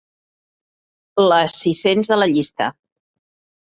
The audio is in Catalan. La sis-cents de la llista.